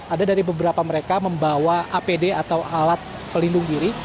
ada dari beberapa mereka membawa apd atau alat pelindung diri